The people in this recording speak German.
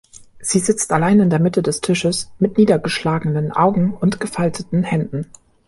Sie sitzt alleine in der Mitte des Tisches, mit niedergeschlagenen Augen und gefalteten Händen.